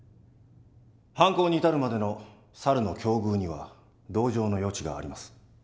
犯行に至るまでの猿の境遇には同情の余地があります。